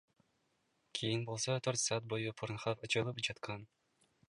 Кийин болсо төрт саат бою Порнхаб ачылып жаткан.